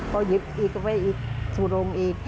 เพราะหยิบแล้วไปหยิบมีผ้าทรวงอีก